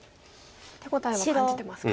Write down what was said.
手応えは感じてますか。